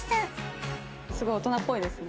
すごい大人っぽいですね。